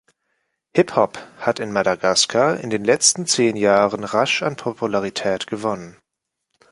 Hip-Hop hat in Madagaskar in den letzten zehn Jahren rasch an Popularität gewonnen.